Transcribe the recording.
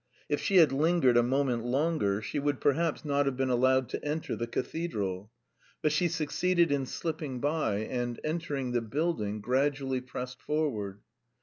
If she had lingered a moment longer, she would perhaps not have been allowed to enter the cathedral. But she succeeded in slipping by, and entering the building, gradually pressed forward.